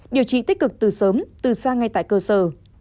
điều trị tích cực từ sớm từ xa ngay tại cơ sở